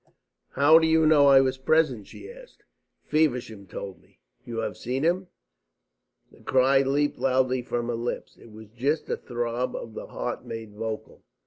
"How do you know that I was present?" she asked. "Feversham told me." "You have seen him?" The cry leaped loudly from her lips. It was just a throb of the heart made vocal.